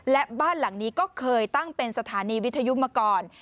และบ้านหลังนี้ก็เคยตั้งเป็นสถานีวิทยุมาก่อน